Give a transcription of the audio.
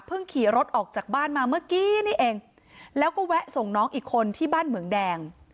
ขี่รถออกจากบ้านมาเมื่อกี้นี่เองแล้วก็แวะส่งน้องอีกคนที่บ้านเหมืองแดง